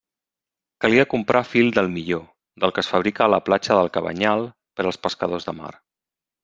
Calia comprar fil del millor, del que es fabrica a la platja del Cabanyal per als pescadors de mar.